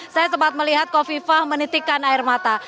saya sempat melihat kofifah menitikan air mata